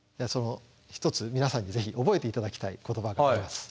ひとつ皆さんに是非覚えていただきたい言葉があります。